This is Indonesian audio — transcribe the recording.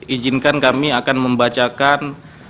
izinkan kami akan membacakan